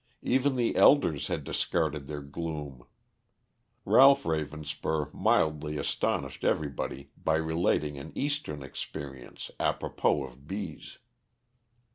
Even the elders had discarded their gloom. Ralph Ravenspur mildly astonished everybody by relating an Eastern experience apropos of bees.